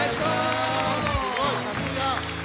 すごいさすが！